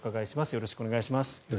よろしくお願いします。